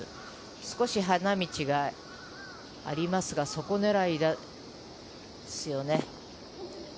少し花道がありますがそこ狙いですよね。